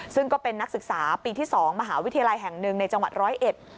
ซึ่งก็เป็นนักศึกษาปีที่สองมหาวิทยาลัยแห่งหนึ่งในจังหวัดร้อยเอ็ด